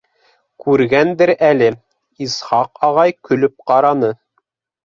Күргәндер әле, Исхаҡ ағай көлөп ҡараны.